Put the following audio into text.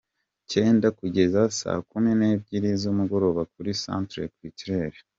cyenda kugeza saa kumi nebyiri zumugoroba kuri Centre Culturel.